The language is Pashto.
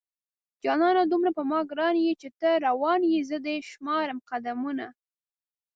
جانانه دومره په ما گران يې چې ته روان يې زه دې شمارم قدمونه